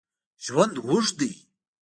ژوند اوږد دی